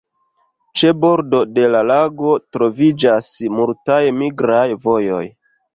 Ĉe bordo de la lago troviĝas multaj migraj vojoj.